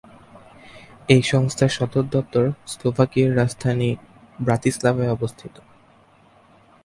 এই সংস্থার সদর দপ্তর স্লোভাকিয়ার রাজধানী ব্রাতিস্লাভায় অবস্থিত।